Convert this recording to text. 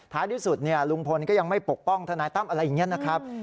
ที่สุดลุงพลก็ยังไม่ปกป้องทนายตั้มอะไรอย่างนี้นะครับ